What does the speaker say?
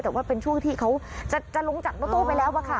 แต่ว่าเป็นช่วงที่เขาจะลงจากรถตู้ไปแล้วอะค่ะ